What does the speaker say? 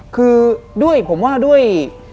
คือด้วยผมว่าด้วย